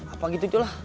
apa gitu jolah